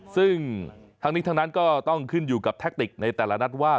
ซึ่งทั้งนี้ทั้งนั้นก็ต้องขึ้นอยู่กับแทคติกในแต่ละนัดว่า